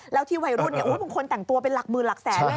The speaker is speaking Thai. แล้วที่วัยรุ่นเนี่ยเพิ่งคนแต่งตัวเป็นหลักมือหลักแสนออก